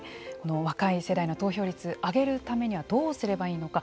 若い世代の投票率上げるためにはどうすればいいのか。